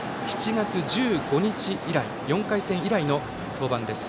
７月１５日の４回戦以来の登板です。